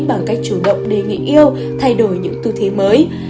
bằng cách chủ động để nghĩ yêu thay đổi những tư thế mới